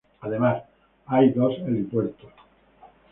Además, hay dos helipuertos.